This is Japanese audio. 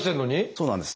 そうなんです。